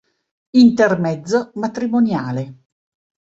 Intermezzo matrimoniale